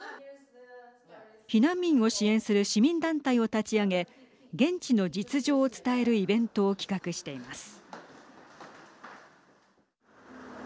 避難民を支援する市民団体を立ち上げ現地の実情を伝えるイベントを企画しています。